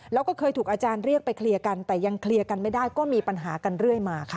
แล้วก็เคยถูกอาจารย์เรียกไปเคลียร์กันแต่ยังเคลียร์กันไม่ได้ก็มีปัญหากันเรื่อยมาค่ะ